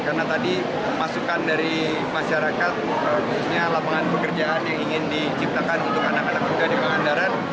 karena tadi masukan dari masyarakat khususnya lapangan pekerjaan yang ingin diciptakan untuk anak anak muda di pangandaran